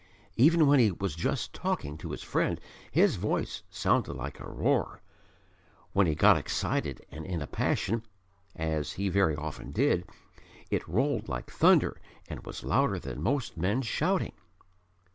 Even when he was just talking to his friend his voice sounded like a roar; when he got excited and in a passion (as he very often did) it rolled like thunder and was louder than most men's shouting.